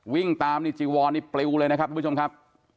วิ่งตามจีฒท์ปลิ๊วเลยนะครับมุทธชมครับ